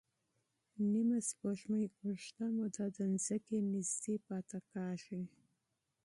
نیمه سپوږمۍ اوږده موده د ځمکې نږدې پاتې کېږي.